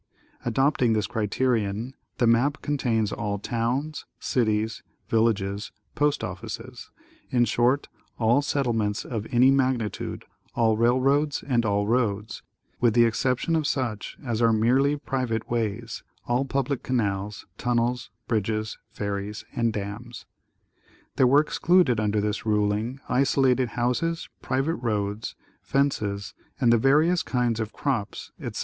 Adopting this criterion, the map contains all towns, cities, villages, post offices, — in short, all settlements of any magnitude, all railroads and all roads, with the exception of such as are merely private ways, all public canals, tunnels, bridges, ferries and dams. There were excluded under this ruling isolated houses, private roads, fences and the various kinds of crops, etc.